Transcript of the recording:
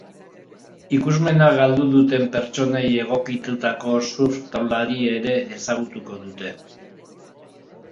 Ikusmena galdu duten pertsonei egokitutako surf taulari ere ezagutuko dute.